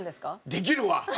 できるわ！